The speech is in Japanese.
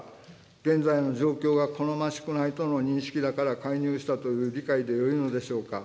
現在の状況が好ましくないとの認識だから介入したという理解でよいのでしょうか。